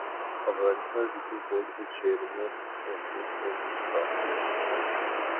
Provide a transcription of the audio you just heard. Afghanistan cricket board کے chairman عہدے سے مستعفی